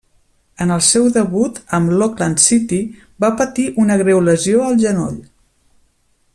En el seu debut amb l'Auckland City va patir una greu lesió al genoll.